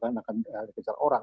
akan dikejar orang